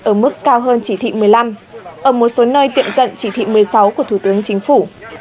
ở mức cao hơn chỉ thị một mươi năm ở một số nơi tiệm cận chỉ thị một mươi sáu của thủ tướng chính phủ